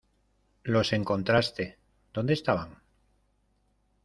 Los encontraste. ¿ Dónde estaban?